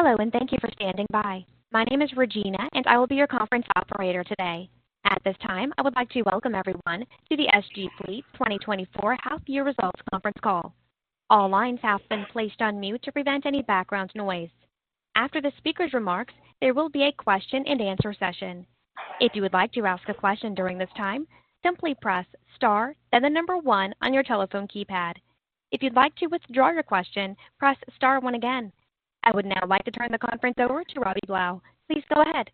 Hello and thank you for standing by. My name is Regina, and I will be your conference operator today. At this time, I would like to welcome everyone to the SG Fleet 2024 Half-Year Results Conference call. All lines have been placed on mute to prevent any background noise. After the speaker's remarks, there will be a question-and-answer session. If you would like to ask a question during this time, simply press star, then the number 1 on your telephone keypad. If you'd like to withdraw your question, press star 1 again. I would now like to turn the conference over to Robbie Blau. Please go ahead.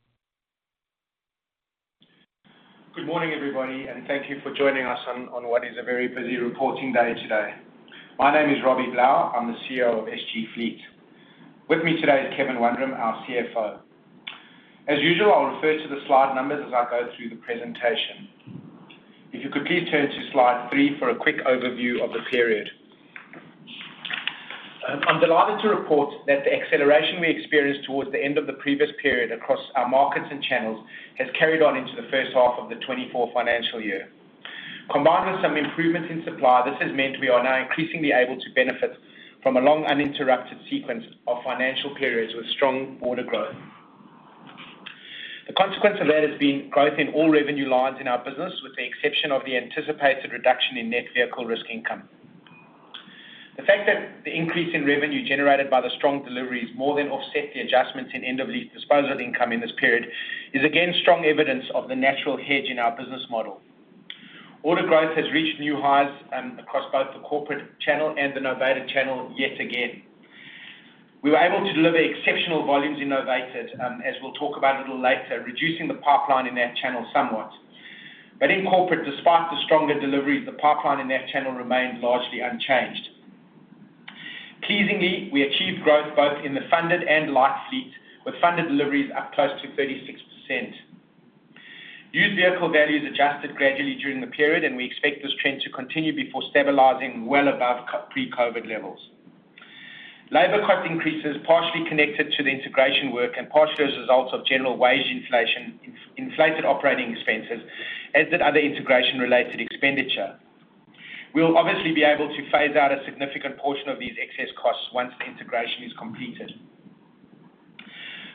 Good morning, everybody, and thank you for joining us on what is a very busy reporting day today. My name is Robbie Blau. I'm the CEO of SG Fleet. With me today is Kevin Wundram, our CFO. As usual, I'll refer to the slide numbers as I go through the presentation. If you could please turn to slide 3 for a quick overview of the period. I'm delighted to report that the acceleration we experienced towards the end of the previous period across our markets and channels has carried on into the first half of the 2024 financial year. Combined with some improvements in supply, this has meant we are now increasingly able to benefit from a long, uninterrupted sequence of financial periods with strong broader growth. The consequence of that has been growth in all revenue lines in our business, with the exception of the anticipated reduction in net vehicle risk income. The fact that the increase in revenue generated by the strong deliveries more than offset the adjustments in end-of-lease disposal income in this period is, again, strong evidence of the natural hedge in our business model. Order growth has reached new highs across both the corporate channel and the novated channel yet again. We were able to deliver exceptional volumes in novated, as we'll talk about a little later, reducing the pipeline in that channel somewhat. But in corporate, despite the stronger deliveries, the pipeline in that channel remained largely unchanged. Pleasingly, we achieved growth both in the funded and light fleets, with funded deliveries up close to 36%. Used vehicle values adjusted gradually during the period, and we expect this trend to continue before stabilizing well above pre-COVID levels. Labor cost increases, partially connected to the integration work and partially as a result of general wage inflation, inflated operating expenses, as did other integration-related expenditure. We'll obviously be able to phase out a significant portion of these excess costs once the integration is completed.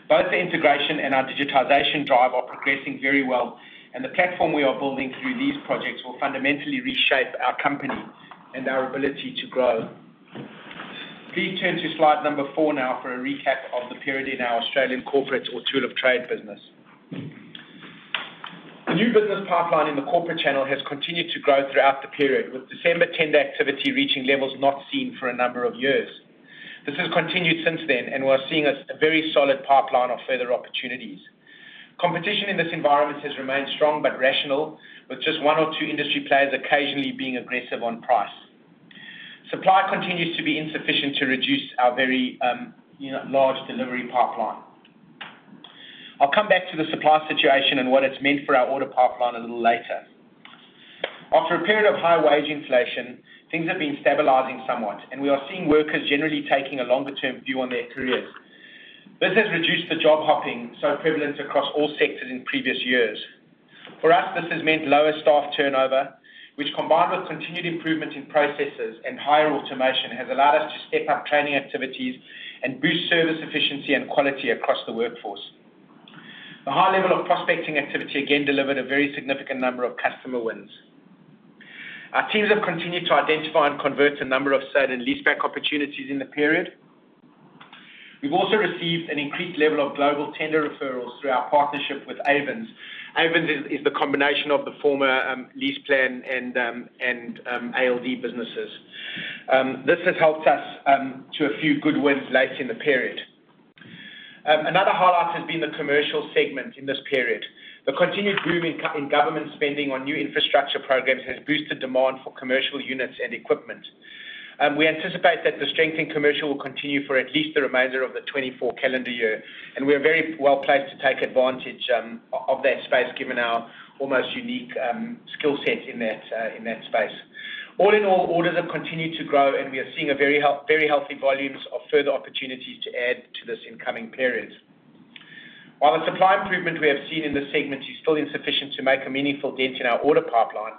Both the integration and our digitization drive are progressing very well, and the platform we are building through these projects will fundamentally reshape our company and our ability to grow. Please turn to slide 4 now for a recap of the period in our Australian corporate or Tool-of-Trade business. The new business pipeline in the corporate channel has continued to grow throughout the period, with December tender activity reaching levels not seen for a number of years. This has continued since then, and we're seeing a very solid pipeline of further opportunities. Competition in this environment has remained strong but rational, with just one or two industry players occasionally being aggressive on price. Supply continues to be insufficient to reduce our very large delivery pipeline. I'll come back to the supply situation and what it's meant for our order pipeline a little later. After a period of high wage inflation, things have been stabilizing somewhat, and we are seeing workers generally taking a longer-term view on their careers. This has reduced the job-hopping so prevalent across all sectors in previous years. For us, this has meant lower staff turnover, which, combined with continued improvement in processes and higher automation, has allowed us to step up training activities and boost service efficiency and quality across the workforce. The high level of prospecting activity, again, delivered a very significant number of customer wins. Our teams have continued to identify and convert a number of sale and leaseback opportunities in the period. We've also received an increased level of global tender referrals through our partnership with Ayvens. Ayvens is the combination of the former LeasePlan and ALD businesses. This has helped us to a few good wins later in the period. Another highlight has been the commercial segment in this period. The continued boom in government spending on new infrastructure programs has boosted demand for commercial units and equipment. We anticipate that the strength in commercial will continue for at least the remainder of the 2024 calendar year, and we are very well placed to take advantage of that space given our almost unique skill set in that space. All in all, orders have continued to grow, and we are seeing very healthy volumes of further opportunities to add to this incoming period. While the supply improvement we have seen in this segment is still insufficient to make a meaningful dent in our order pipeline,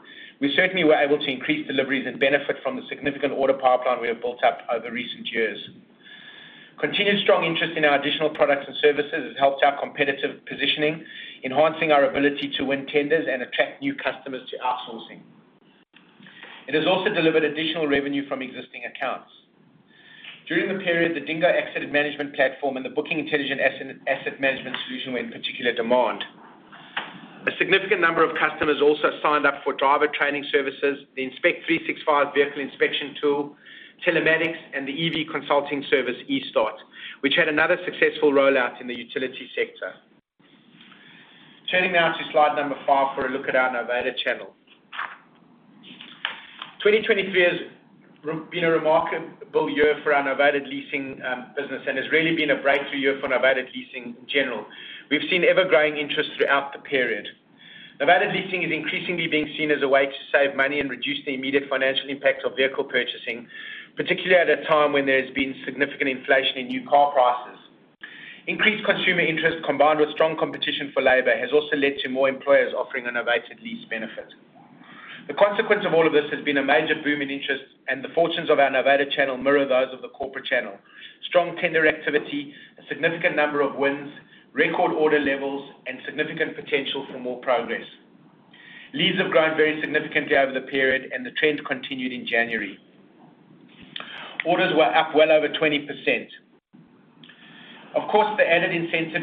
we certainly were able to increase deliveries and benefit from the significant order pipeline we have built up over recent years. Continued strong interest in our additional products and services has helped our competitive positioning, enhancing our ability to win tenders and attract new customers to outsourcing. It has also delivered additional revenue from existing accounts. During the period, the DingGo Accident Management Platform and the Bookingintelligence Asset Management Solution were in particular demand. A significant number of customers also signed up for driver training services, the Inspect365 vehicle inspection tool, telematics, and the EV consulting service eStart, which had another successful rollout in the utility sector. Turning now to slide number five for a look at our novated channel. 2023 has been a remarkable year for our novated leasing business and has really been a breakthrough year for novated leasing in general. We've seen ever-growing interest throughout the period. Novated leasing is increasingly being seen as a way to save money and reduce the immediate financial impact of vehicle purchasing, particularly at a time when there has been significant inflation in new car prices. Increased consumer interest combined with strong competition for labour has also led to more employers offering a novated lease benefit. The consequence of all of this has been a major boom in interest, and the fortunes of our novated channel mirror those of the corporate channel: strong tender activity, a significant number of wins, record order levels, and significant potential for more progress. Leases have grown very significantly over the period, and the trend continued in January. Orders were up well over 20%. Of course, the added incentive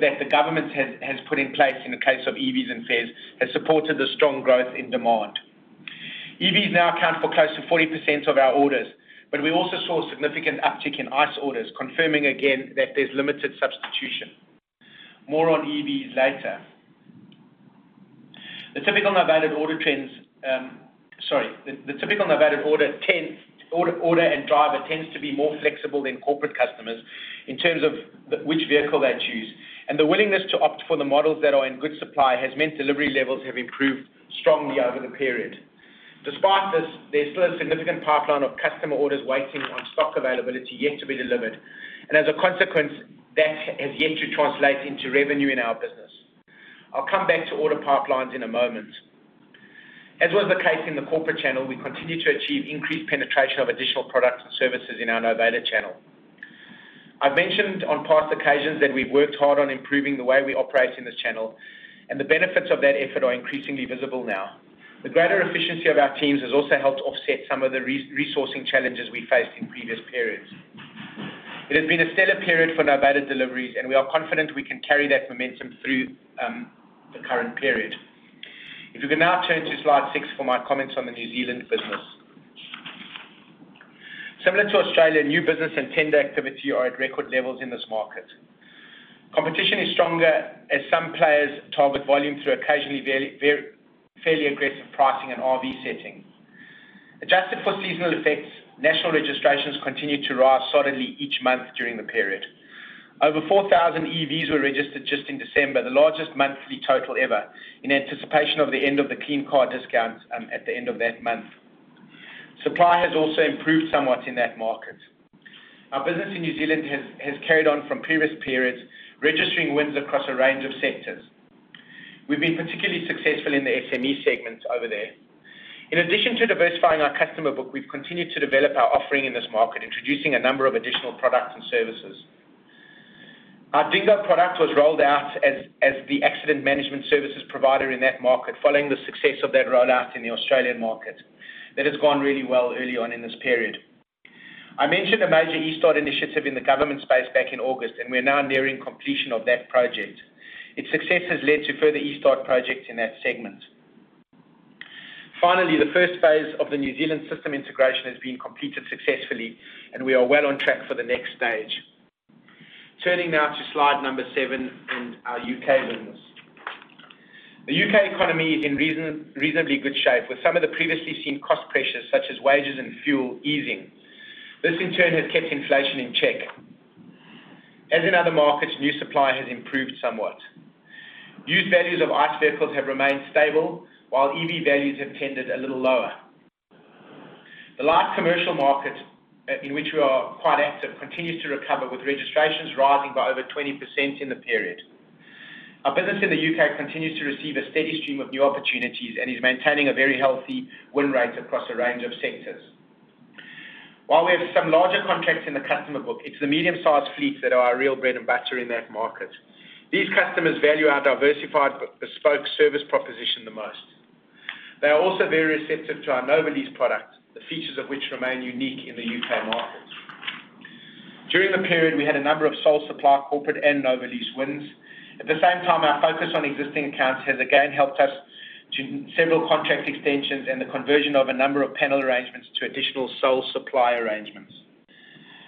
that the government has put in place in the case of EVs and PHEVs has supported the strong growth in demand. EVs now account for close to 40% of our orders, but we also saw a significant uptick in ICE orders, confirming again that there's limited substitution. More on EVs later. The typical novated order and driver tends to be more flexible than corporate customers in terms of which vehicle they choose, and the willingness to opt for the models that are in good supply has meant delivery levels have improved strongly over the period. Despite this, there's still a significant pipeline of customer orders waiting on stock availability yet to be delivered, and as a consequence, that has yet to translate into revenue in our business. I'll come back to order pipelines in a moment. As was the case in the corporate channel, we continue to achieve increased penetration of additional products and services in our novated channel. I've mentioned on past occasions that we've worked hard on improving the way we operate in this channel, and the benefits of that effort are increasingly visible now. The greater efficiency of our teams has also helped offset some of the resourcing challenges we faced in previous periods. It has been a stellar period for novated deliveries, and we are confident we can carry that momentum through the current period. If you could now turn to slide 6 for my comments on the New Zealand business. Similar to Australia, new business and tender activity are at record levels in this market. Competition is stronger as some players target volume through occasionally fairly aggressive pricing and RV setting. Adjusted for seasonal effects, national registrations continue to rise solidly each month during the period. Over 4,000 EVs were registered just in December, the largest monthly total ever in anticipation of the end of the Clean Car Discount at the end of that month. Supply has also improved somewhat in that market. Our business in New Zealand has carried on from previous periods, registering wins across a range of sectors. We've been particularly successful in the SME segment over there. In addition to diversifying our customer book, we've continued to develop our offering in this market, introducing a number of additional products and services. Our DingGo product was rolled out as the accident management services provider in that market following the success of that rollout in the Australian market that has gone really well early on in this period. I mentioned a major eStart initiative in the government space back in August, and we are now nearing completion of that project. Its success has led to further eStart projects in that segment. Finally, the first phase of the New Zealand system integration has been completed successfully, and we are well on track for the next stage. Turning now to slide number 7 in our UK business. The UK economy is in reasonably good shape, with some of the previously seen cost pressures such as wages and fuel easing. This, in turn, has kept inflation in check. As in other markets, new supply has improved somewhat. Used values of ICE vehicles have remained stable, while EV values have tended a little lower. The light commercial market, in which we are quite active, continues to recover with registrations rising by over 20% in the period. Our business in the UK continues to receive a steady stream of new opportunities and is maintaining a very healthy win rate across a range of sectors. While we have some larger contracts in the customer book, it's the medium-sized fleet that are our real bread and butter in that market. These customers value our diversified bespoke service proposition the most. They are also very receptive to our Novalease product, the features of which remain unique in the UK market. During the period, we had a number of sole supply corporate and Novalease wins. At the same time, our focus on existing accounts has again helped us to several contract extensions and the conversion of a number of panel arrangements to additional sole supply arrangements.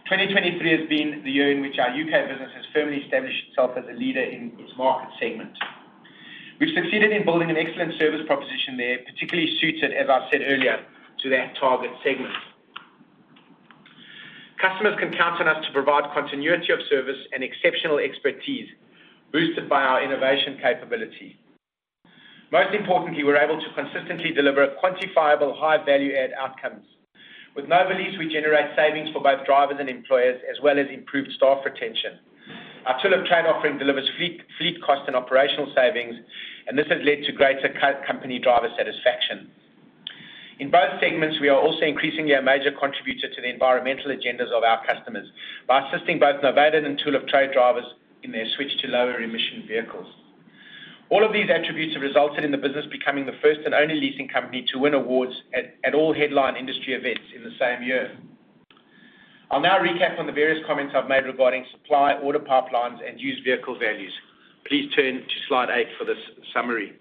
2023 has been the year in which our UK business has firmly established itself as a leader in its market segment. We've succeeded in building an excellent service proposition there, particularly suited, as I said earlier, to that target segment. Customers can count on us to provide continuity of service and exceptional expertise boosted by our innovation capability. Most importantly, we're able to consistently deliver quantifiable high-value-add outcomes. With Novalease, we generate savings for both drivers and employers as well as improved staff retention. Our Tool-of-Trade offering delivers fleet cost and operational savings, and this has led to greater company driver satisfaction. In both segments, we are also increasingly a major contributor to the environmental agendas of our customers by assisting both novated and Tool-of-Trade drivers in their switch to lower-emission vehicles. All of these attributes have resulted in the business becoming the first and only leasing company to win awards at all headline industry events in the same year. I'll now recap on the various comments I've made regarding supply, order pipelines, and used vehicle values. Please turn to slide eight for this summary.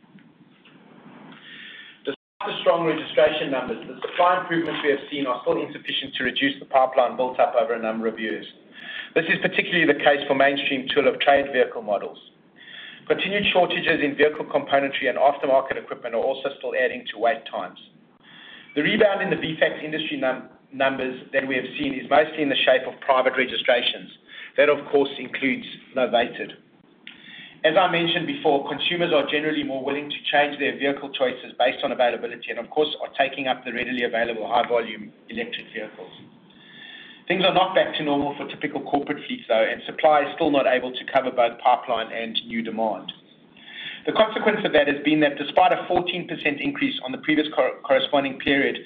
Despite the strong registration numbers, the supply improvements we have seen are still insufficient to reduce the pipeline built up over a number of years. This is particularly the case for mainstream Tool-of-Trade vehicle models. Continued shortages in vehicle componentry and aftermarket equipment are also still adding to wait times. The rebound in the VFACTS industry numbers that we have seen is mostly in the shape of private registrations that, of course, includes novated. As I mentioned before, consumers are generally more willing to change their vehicle choices based on availability and, of course, are taking up the readily available high-volume electric vehicles. Things are not back to normal for typical corporate fleets, though, and supply is still not able to cover both pipeline and new demand. The consequence of that has been that despite a 14% increase on the previous corresponding period,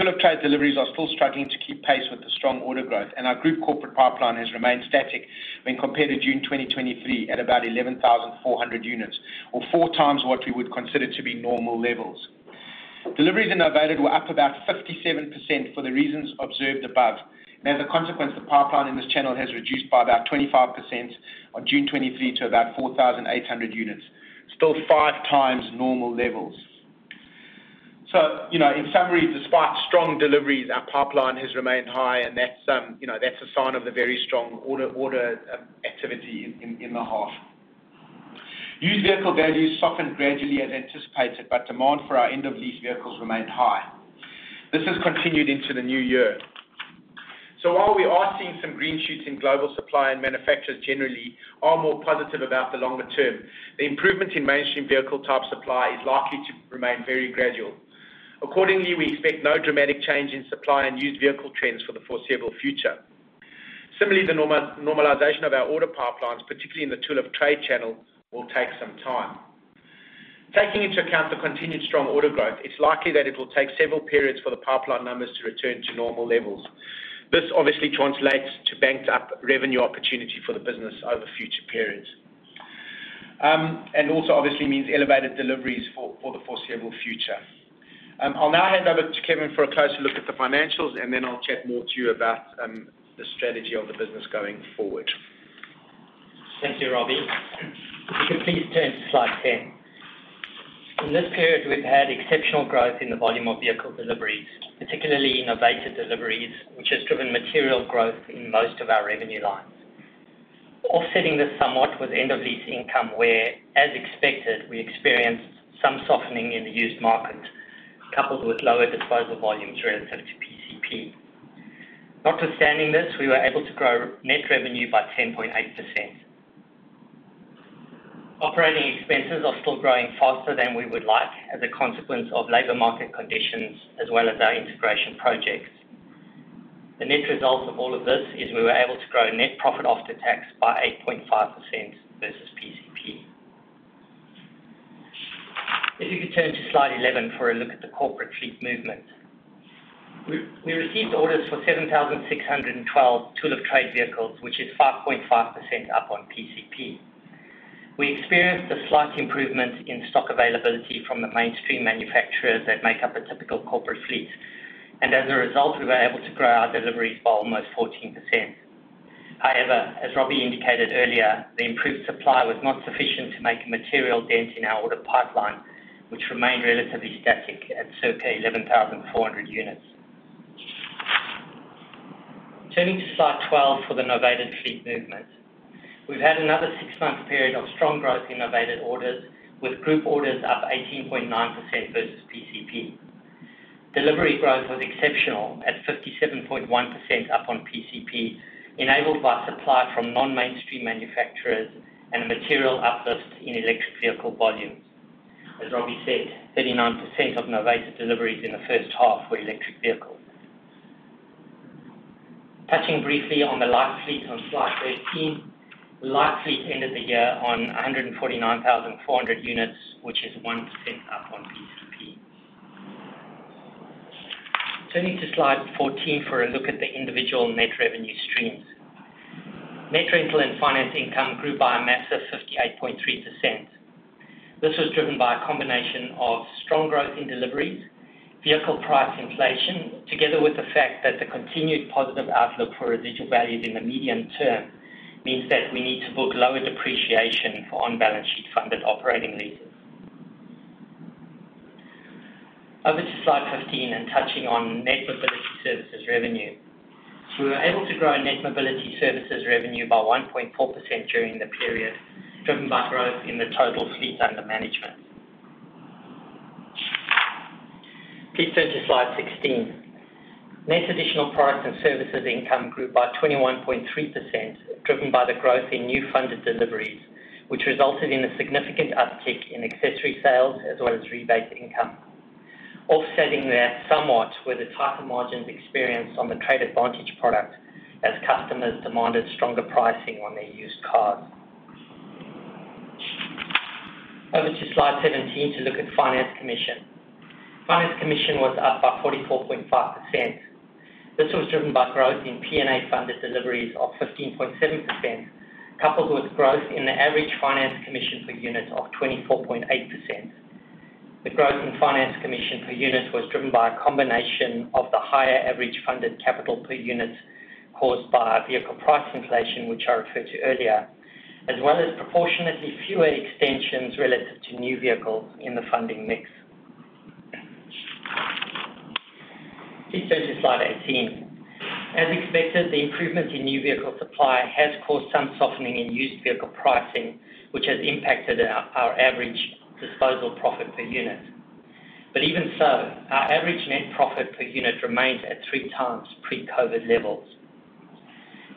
Tool-of-Trade deliveries are still struggling to keep pace with the strong order growth, and our group corporate pipeline has remained static when compared to June 2023 at about 11,400 units, or four times what we would consider to be normal levels. Deliveries in novated were up about 57% for the reasons observed above, and as a consequence, the pipeline in this channel has reduced by about 25% on June 23 to about 4,800 units, still five times normal levels. So in summary, despite strong deliveries, our pipeline has remained high, and that's a sign of the very strong order activity in the half. Used vehicle values softened gradually as anticipated, but demand for our end-of-lease vehicles remained high. This has continued into the new year. So while we are seeing some green shoots in global supply and manufacturers generally, I'm more positive about the longer term. The improvement in mainstream vehicle-type supply is likely to remain very gradual. Accordingly, we expect no dramatic change in supply and used vehicle trends for the foreseeable future. Similarly, the normalization of our order pipelines, particularly in the tool-of-trade channel, will take some time. Taking into account the continued strong order growth, it's likely that it will take several periods for the pipeline numbers to return to normal levels. This obviously translates to banked-up revenue opportunity for the business over future periods and also obviously means elevated deliveries for the foreseeable future. I'll now hand over to Kevin for a closer look at the financials, and then I'll chat more to you about the strategy of the business going forward. Thank you, Robbie. If you could please turn to slide 10. In this period, we've had exceptional growth in the volume of vehicle deliveries, particularly novated deliveries, which has driven material growth in most of our revenue lines. Offsetting this somewhat was end-of-lease income where, as expected, we experienced some softening in the used market coupled with lower disposal volumes relative to PCP. Notwithstanding this, we were able to grow net revenue by 10.8%. Operating expenses are still growing faster than we would like as a consequence of labor market conditions as well as our integration projects. The net result of all of this is we were able to grow net profit after tax by 8.5% versus PCP. If you could turn to slide 11 for a look at the corporate fleet movement. We received orders for 7,612 Tool-of-Trade vehicles, which is 5.5% up on PCP. We experienced a slight improvement in stock availability from the mainstream manufacturers that make up a typical corporate fleet, and as a result, we were able to grow our deliveries by almost 14%. However, as Robbie indicated earlier, the improved supply was not sufficient to make a material dent in our order pipeline, which remained relatively static at circa 11,400 units. Turning to slide 12 for the novated fleet movement. We've had another six-month period of strong growth in novated orders, with group orders up 18.9% versus PCP. Delivery growth was exceptional at 57.1% up on PCP, enabled by supply from non-mainstream manufacturers and a material uplift in electric vehicle volumes. As Robbie said, 39% of novated deliveries in the first half were electric vehicles. Touching briefly on the light fleet on slide 13, the light fleet ended the year on 149,400 units, which is 1% up on PCP. Turning to slide 14 for a look at the individual net revenue streams. Net rental and finance income grew by a massive 58.3%. This was driven by a combination of strong growth in deliveries, vehicle price inflation, together with the fact that the continued positive outlook for residual values in the medium term means that we need to book lower depreciation for on-balance sheet funded operating leases. Over to slide 15 and touching on net mobility services revenue. We were able to grow net mobility services revenue by 1.4% during the period, driven by growth in the total fleet under management. Please turn to slide 16. Net additional product and services income grew by 21.3%, driven by the growth in new funded deliveries, which resulted in a significant uptick in accessory sales as well as rebate income, offsetting that somewhat with the tighter margins experienced on the TradeAdvantage product as customers demanded stronger pricing on their used cars. Over to slide 17 to look at finance commission. Finance commission was up by 44.5%. This was driven by growth in P&A funded deliveries of 15.7% coupled with growth in the average finance commission per unit of 24.8%. The growth in finance commission per unit was driven by a combination of the higher average funded capital per unit caused by vehicle price inflation, which I referred to earlier, as well as proportionately fewer extensions relative to new vehicles in the funding mix. Please turn to slide 18. As expected, the improvement in new vehicle supply has caused some softening in used vehicle pricing, which has impacted our average disposal profit per unit. But even so, our average net profit per unit remains at three times pre-COVID levels.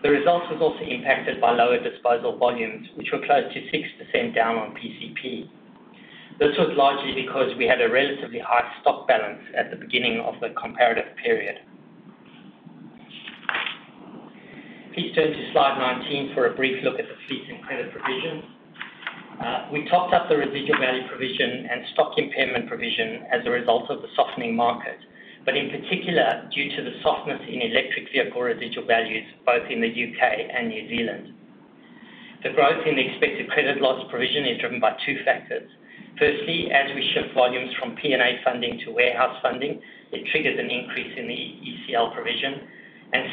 The result was also impacted by lower disposal volumes, which were close to 6% down on PCP. This was largely because we had a relatively high stock balance at the beginning of the comparative period. Please turn to slide 19 for a brief look at the fleet and credit provisions. We topped up the residual value provision and stock impairment provision as a result of the softening market, but in particular due to the softness in electric vehicle residual values both in the U.K. and New Zealand. The growth in the expected credit loss provision is driven by two factors. Firstly, as we shift volumes from P&A funding to warehouse funding, it triggers an increase in the ECL provision.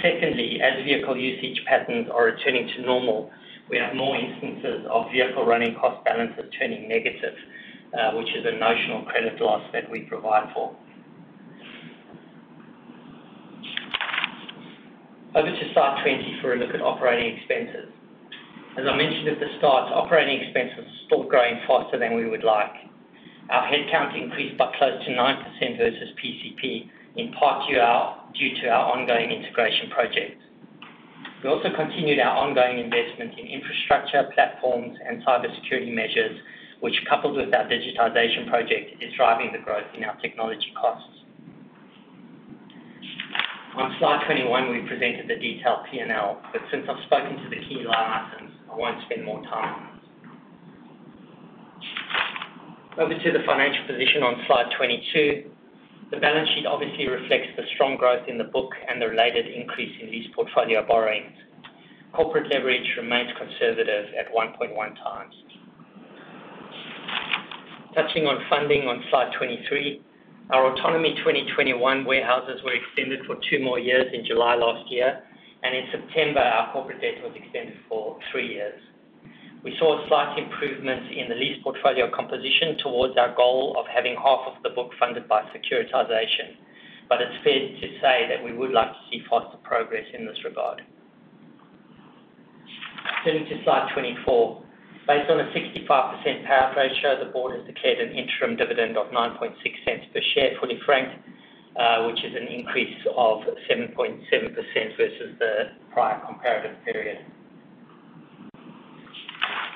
Secondly, as vehicle usage patterns are returning to normal, we have more instances of vehicle running cost balances turning negative, which is a notional credit loss that we provide for. Over to slide 20 for a look at operating expenses. As I mentioned at the start, operating expenses are still growing faster than we would like. Our headcount increased by close to 9% versus PCP in part due to our ongoing integration project. We also continued our ongoing investment in infrastructure, platforms, and cybersecurity measures, which coupled with our digitization project is driving the growth in our technology costs. On slide 21, we presented the detailed P&L, but since I've spoken to the key line items, I won't spend more time on those. Over to the financial position on slide 22. The balance sheet obviously reflects the strong growth in the book and the related increase in lease portfolio borrowings. Corporate leverage remains conservative at 1.1 times. Touching on funding on slide 23, our Autonomy 2021 warehouses were extended for two more years in July last year, and in September, our corporate debt was extended for three years. We saw slight improvements in the lease portfolio composition towards our goal of having half of the book funded by securitization, but it's fair to say that we would like to see faster progress in this regard. Turning to slide 24. Based on a 65% payout ratio, the board has declared an interim dividend of 0.096 per share, fully franked, which is an increase of 7.7% versus the prior comparative period.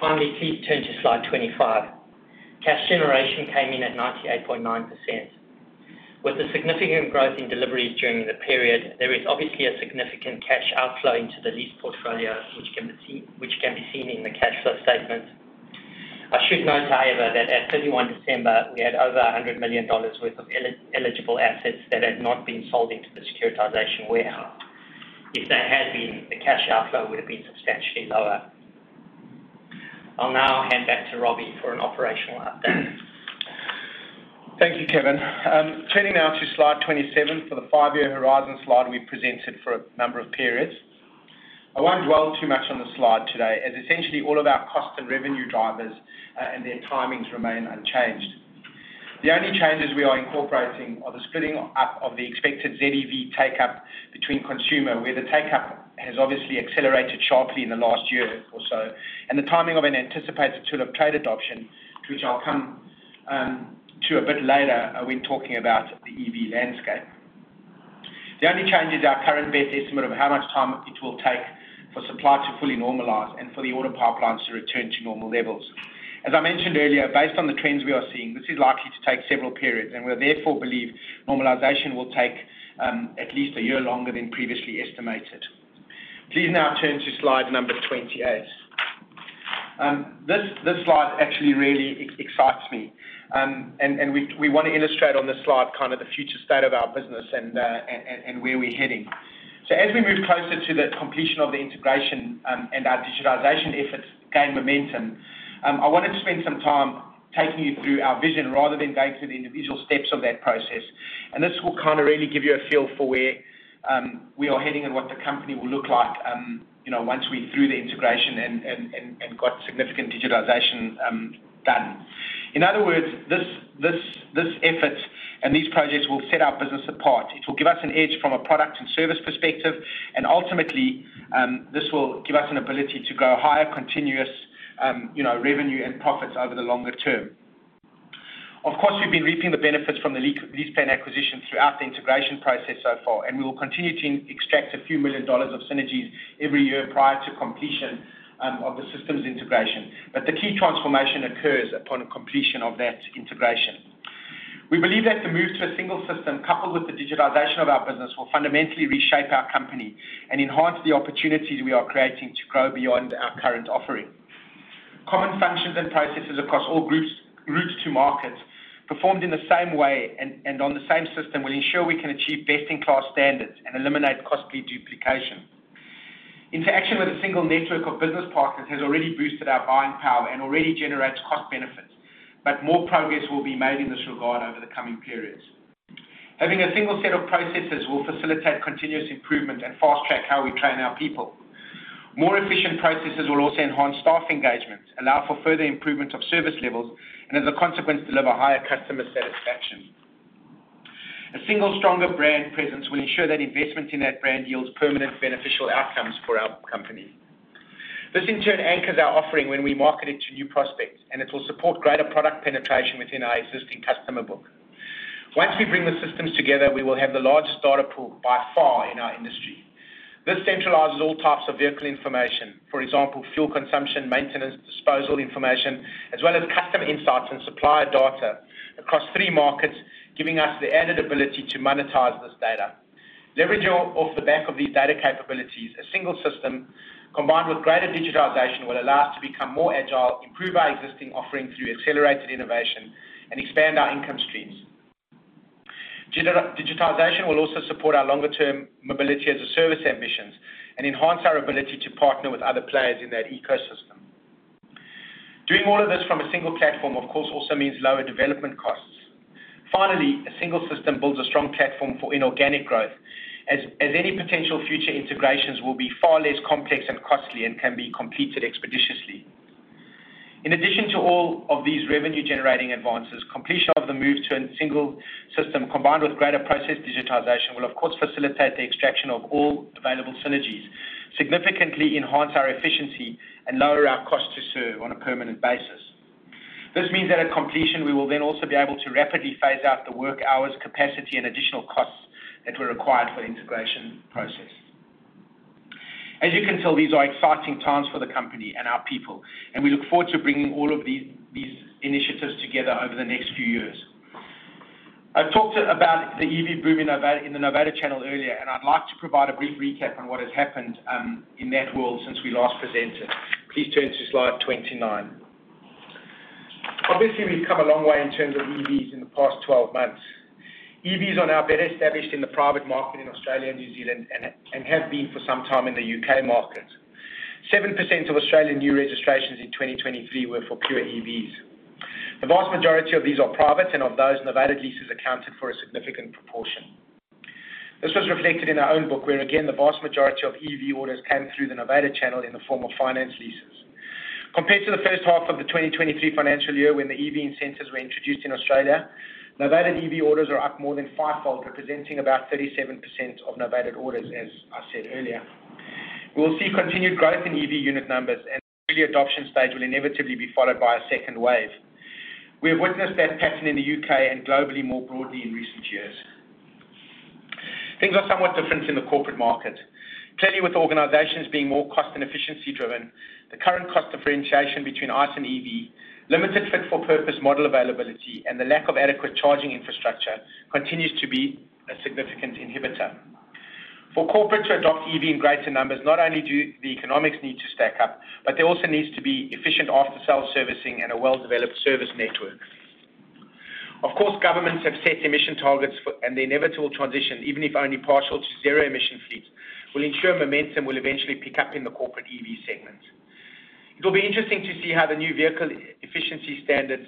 Finally, please turn to slide 25. Cash generation came in at 98.9%. With the significant growth in deliveries during the period, there is obviously a significant cash outflow into the lease portfolio, which can be seen in the cash flow statements. I should note, however, that at 31 December, we had over 100 million dollars worth of eligible assets that had not been sold into the securitization warehouse. If they had been, the cash outflow would have been substantially lower. I'll now hand back to Robbie for an operational update. Thank you, Kevin. Turning now to slide 27 for the five-year horizon slide we presented for a number of periods. I won't dwell too much on the slide today as essentially all of our cost and revenue drivers and their timings remain unchanged. The only changes we are incorporating are the splitting up of the expected ZEV uptake between consumer, where the uptake has obviously accelerated sharply in the last year or so, and the timing of an anticipated tool-of-trade adoption, to which I'll come to a bit later when talking about the EV landscape. The only change is our current best estimate of how much time it will take for supply to fully normalize and for the order pipelines to return to normal levels. As I mentioned earlier, based on the trends we are seeing, this is likely to take several periods, and we therefore believe normalization will take at least a year longer than previously estimated. Please now turn to slide number 28. This slide actually really excites me, and we want to illustrate on this slide kind of the future state of our business and where we're heading. So as we move closer to the completion of the integration and our digitization efforts gain momentum, I want to spend some time taking you through our vision rather than going through the individual steps of that process. And this will kind of really give you a feel for where we are heading and what the company will look like once we're through the integration and got significant digitization done. In other words, this effort and these projects will set our business apart. It will give us an edge from a product and service perspective, and ultimately, this will give us an ability to grow higher continuous revenue and profits over the longer term. Of course, we've been reaping the benefits from the LeasePlan acquisition throughout the integration process so far, and we will continue to extract AUD a few million of synergies every year prior to completion of the systems integration. But the key transformation occurs upon completion of that integration. We believe that the move to a single system coupled with the digitization of our business will fundamentally reshape our company and enhance the opportunities we are creating to grow beyond our current offering. Common functions and processes across all routes to markets performed in the same way and on the same system will ensure we can achieve best-in-class standards and eliminate costly duplication. Interaction with a single network of business partners has already boosted our buying power and already generates cost benefits, but more progress will be made in this regard over the coming periods. Having a single set of processes will facilitate continuous improvement and fast-track how we train our people. More efficient processes will also enhance staff engagements, allow for further improvement of service levels, and as a consequence, deliver higher customer satisfaction. A single, stronger brand presence will ensure that investment in that brand yields permanent beneficial outcomes for our company. This, in turn, anchors our offering when we market it to new prospects, and it will support greater product penetration within our existing customer book. Once we bring the systems together, we will have the largest data pool by far in our industry. This centralizes all types of vehicle information, for example, fuel consumption, maintenance, disposal information, as well as custom insights and supplier data across three markets, giving us the added ability to monetize this data. Leveraging off the back of these data capabilities, a single system combined with greater digitization will allow us to become more agile, improve our existing offering through accelerated innovation, and expand our income streams. Digitization will also support our longer-term mobility as a service ambitions and enhance our ability to partner with other players in that ecosystem. Doing all of this from a single platform, of course, also means lower development costs. Finally, a single system builds a strong platform for inorganic growth as any potential future integrations will be far less complex and costly and can be completed expeditiously. In addition to all of these revenue-generating advances, completion of the move to a single system combined with greater process digitization will, of course, facilitate the extraction of all available synergies, significantly enhance our efficiency, and lower our cost to serve on a permanent basis. This means that at completion, we will then also be able to rapidly phase out the work hours, capacity, and additional costs that were required for the integration process. As you can tell, these are exciting times for the company and our people, and we look forward to bringing all of these initiatives together over the next few years. I've talked about the EV boom in the novated channel earlier, and I'd like to provide a brief recap on what has happened in that world since we last presented. Please turn to slide 29. Obviously, we've come a long way in terms of EVs in the past 12 months. EVs are now better established in the private market in Australia and New Zealand and have been for some time in the UK market. 7% of Australian new registrations in 2023 were for pure EVs. The vast majority of these are private, and of those, novated leases accounted for a significant proportion. This was reflected in our own book where, again, the vast majority of EV orders came through the novated channel in the form of finance leases. Compared to the first half of the 2023 financial year when the EV incentives were introduced in Australia, novated EV orders are up more than five-fold, representing about 37% of novated orders, as I said earlier. We will see continued growth in EV unit numbers, and the early adoption stage will inevitably be followed by a second wave. We have witnessed that pattern in the U.K. and globally more broadly in recent years. Things are somewhat different in the corporate market. Clearly, with organizations being more cost and efficiency-driven, the current cost differentiation between ICE and EV, limited fit-for-purpose model availability, and the lack of adequate charging infrastructure continues to be a significant inhibitor. For corporate to adopt EV in greater numbers, not only do the economics need to stack up, but there also needs to be efficient after-sales servicing and a well-developed service network. Of course, governments have set emission targets, and the inevitable transition, even if only partial, to zero-emission fleets will ensure momentum will eventually pick up in the corporate EV segment. It will be interesting to see how the New Vehicle Efficiency Standards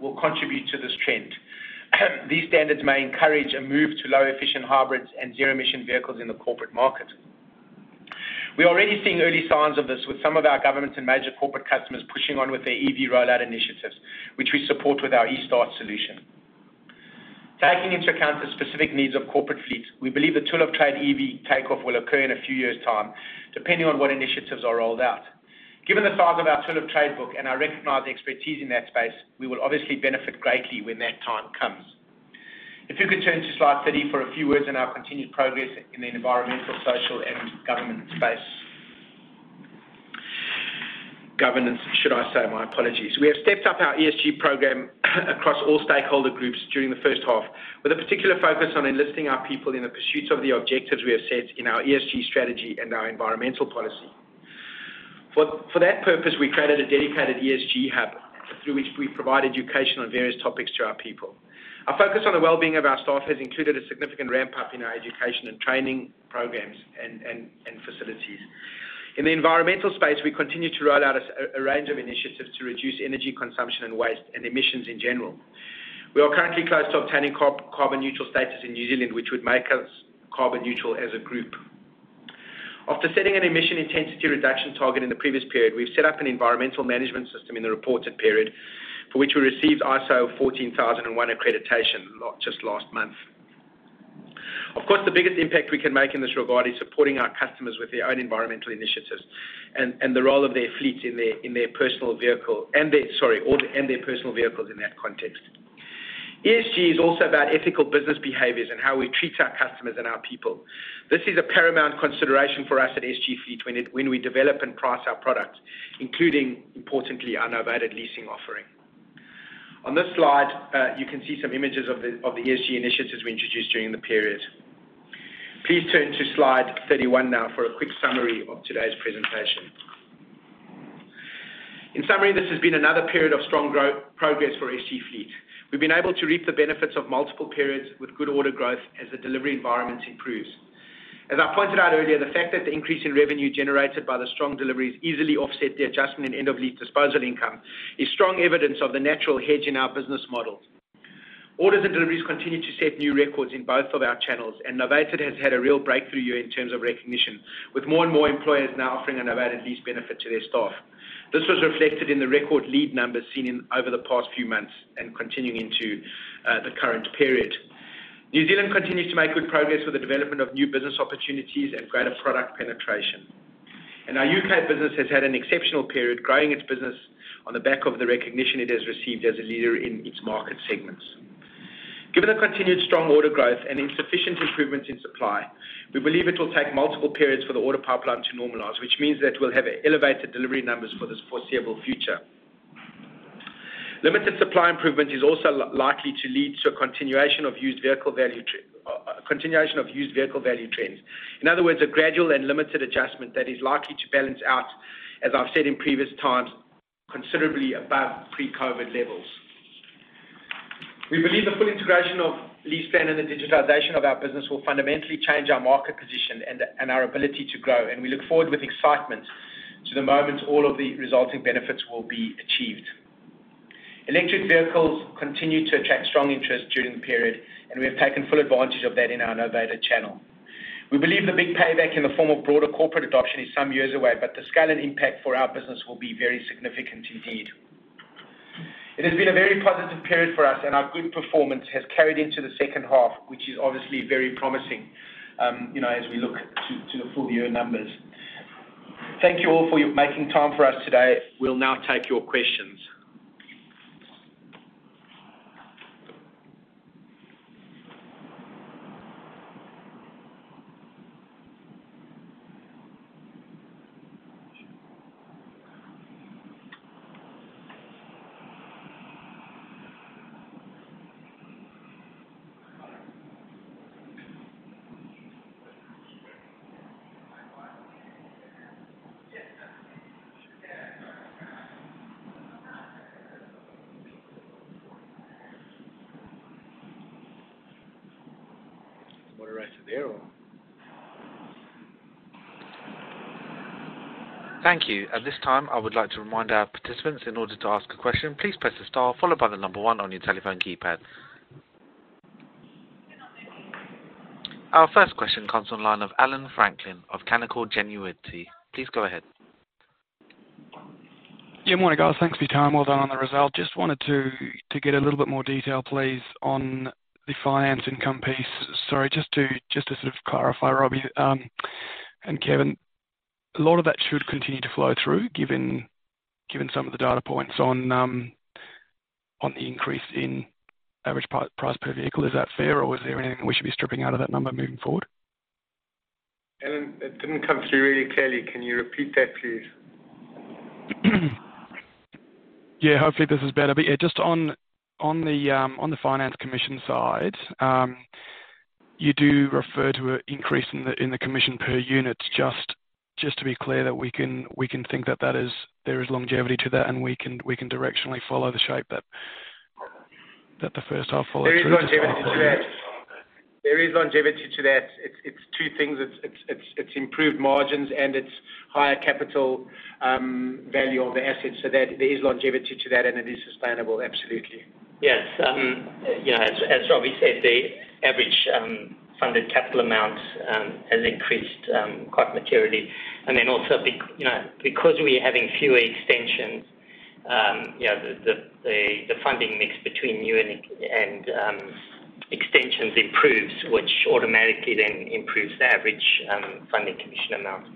will contribute to this trend. These standards may encourage a move to low-emission hybrids and zero-emission vehicles in the corporate market. We are already seeing early signs of this with some of our governments and major corporate customers pushing on with their EV rollout initiatives, which we support with our eStart solution. Taking into account the specific needs of corporate fleets, we believe the Tool-of-Trade EV takeoff will occur in a few years' time depending on what initiatives are rolled out. Given the size of our Tool-of-Trade book and our recognized expertise in that space, we will obviously benefit greatly when that time comes. If you could turn to slide 30 for a few words on our continued progress in the environmental, social, and governance space. Governance, should I say? My apologies. We have stepped up our ESG program across all stakeholder groups during the first half with a particular focus on enlisting our people in the pursuits of the objectives we have set in our ESG strategy and our environmental policy. For that purpose, we created a dedicated ESG hub through which we provide education on various topics to our people. Our focus on the well-being of our staff has included a significant ramp-up in our education and training programs and facilities. In the environmental space, we continue to roll out a range of initiatives to reduce energy consumption and waste and emissions in general. We are currently close to obtaining carbon-neutral status in New Zealand, which would make us carbon-neutral as a group. After setting an emission intensity reduction target in the previous period, we've set up an environmental management system in the reported period for which we received ISO 14001 accreditation just last month. Of course, the biggest impact we can make in this regard is supporting our customers with their own environmental initiatives and the role of their fleets in their personal vehicle and their sorry, all their personal vehicles in that context. ESG is also about ethical business behaviors and how we treat our customers and our people. This is a paramount consideration for us at SG Fleet when we develop and price our products, including, importantly, our novated leasing offering. On this slide, you can see some images of the ESG initiatives we introduced during the period. Please turn to slide 31 now for a quick summary of today's presentation. In summary, this has been another period of strong progress for SG Fleet. We've been able to reap the benefits of multiple periods with good order growth as the delivery environments improve. As I pointed out earlier, the fact that the increase in revenue generated by the strong deliveries easily offset the adjustment in end-of-lease disposal income is strong evidence of the natural hedge in our business model. Orders and deliveries continue to set new records in both of our channels, and novated has had a real breakthrough year in terms of recognition, with more and more employers now offering a novated lease benefit to their staff. This was reflected in the record lead numbers seen over the past few months and continuing into the current period. New Zealand continues to make good progress with the development of new business opportunities and greater product penetration, and our U.K. business has had an exceptional period growing its business on the back of the recognition it has received as a leader in its market segments. Given the continued strong order growth and insufficient improvements in supply, we believe it will take multiple periods for the order pipeline to normalize, which means that we'll have elevated delivery numbers for this foreseeable future. Limited supply improvement is also likely to lead to a continuation of used vehicle value trends. In other words, a gradual and limited adjustment that is likely to balance out, as I've said in previous times, considerably above pre-COVID levels. We believe the full integration of LeasePlan and the digitization of our business will fundamentally change our market position and our ability to grow, and we look forward with excitement to the moment all of the resulting benefits will be achieved. Electric vehicles continue to attract strong interest during the period, and we have taken full advantage of that in our novated channel. We believe the big payback in the form of broader corporate adoption is some years away, but the scale and impact for our business will be very significant indeed. It has been a very positive period for us, and our good performance has carried into the second half, which is obviously very promising as we look to the full year numbers. Thank you all for making time for us today. We'll now take your questions. Moderator there, or? Thank you. At this time, I would like to remind our participants, in order to ask a question, please press the star followed by the number one on your telephone keypad. Our first question comes online of Allan Franklin of Canaccord Genuity. Please go ahead. Yeah. Morning, guys. Thanks for your time. Well done on the result. Just wanted to get a little bit more detail, please, on the finance income piece. Sorry, just to sort of clarify, Robbie and Kevin, a lot of that should continue to flow through given some of the data points on the increase in average price per vehicle. Is that fair, or is there anything we should be stripping out of that number moving forward? Edwin, it didn't come through really clearly. Can you repeat that, please? Yeah. Hopefully, this is better. But yeah, just on the finance commission side, you do refer to an increase in the commission per unit. Just to be clear that we can think that there is longevity to that, and we can directionally follow the shape that the first half followed through. There is longevity to that. There is longevity to that. It's two things. It's improved margins, and it's higher capital value of the assets. So there is longevity to that, and it is sustainable. Absolutely. Yes. As Robbie said, the average funded capital amount has increased quite materially. And then also, because we're having fewer extensions, the funding mix between you and extensions improves, which automatically then improves the average funding commission amount.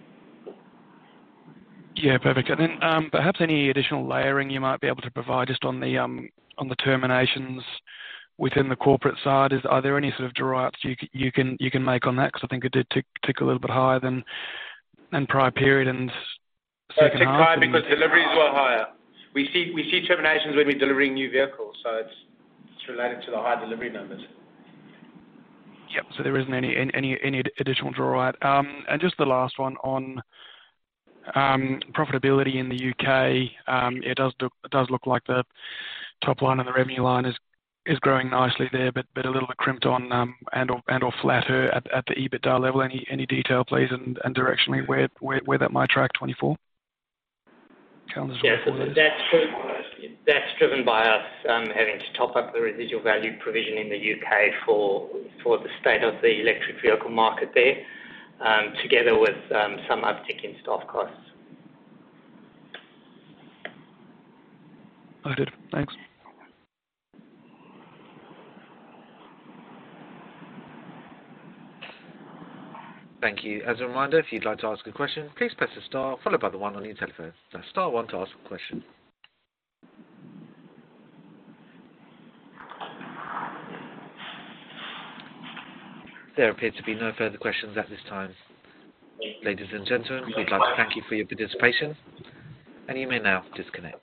Yeah. Perfect. And then perhaps any additional layering you might be able to provide just on the terminations within the corporate side, are there any sort of drawouts you can make on that? Because I think it did tick a little bit higher than prior period and second half. No, it ticked high because deliveries were higher. We see terminations when we're delivering new vehicles, so it's related to the high delivery numbers. Yep. So there isn't any additional drawout. And just the last one, on profitability in the U.K., it does look like the top line and the revenue line is growing nicely there but a little bit crimped on and/or flatter at the EBITDA level. Any detail, please, and directionally where that might track 2024? Calendar's wrong for this. Yeah. So that's driven by us having to top up the residual value provision in the U.K. for the state of the electric vehicle market there together with some uptick in staff costs. Understood. Thanks. Thank you. As a reminder, if you'd like to ask a question, please press the star followed by the one on your telephone. That's star one to ask a question. There appear to be no further questions at this time. Ladies and gentlemen, we'd like to thank you for your participation, and you may now disconnect.